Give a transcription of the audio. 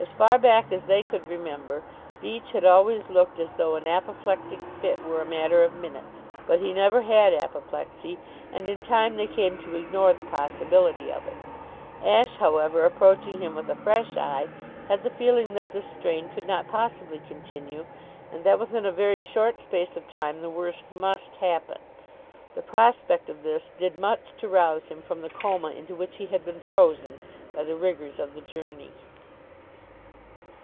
As far back as they could remember Beach had always looked as though an apoplectic fit were a matter of minutes; but he never had apoplexy and in time they came to ignore the possibility of it. Ashe, however, approaching him with a fresh eye, had the feeling that this strain could not possibly continue and that within a very short space of time the worst must happen. The prospect of this did much to rouse him from the coma into which he had been frozen by the rigors of the journey.